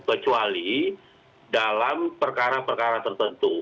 kecuali dalam perkara perkara tertentu